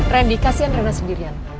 randy kasihan reina sendirian